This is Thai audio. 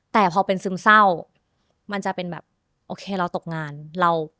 แต่พอเป็นซึมเศร้า